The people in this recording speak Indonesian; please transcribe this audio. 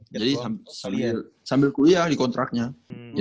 jadi sambil kuliah di kontraknya